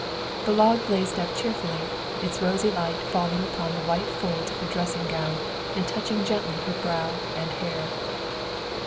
The log blazed up cheerfully, its rosy light falling upon the white folds of her dressing gown and touching gently her brow and hair.